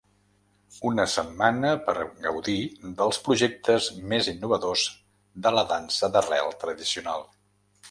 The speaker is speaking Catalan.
Una setmana per gaudir dels projectes més innovadors de la dansa d’arrel tradicional.